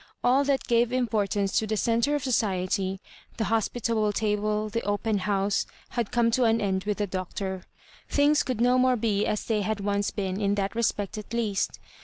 All that gave importance to the centre of socie£y» the hospitable table, the open house — ^liad come to an end with the Doctor. Things could no more be as they had once been, in that respect at least.